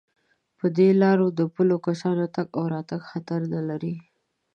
په دې لارو د پلو کسانو تگ او راتگ خطر نه لري.